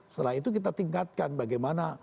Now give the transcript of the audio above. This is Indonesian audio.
setelah itu kita tingkatkan bagaimana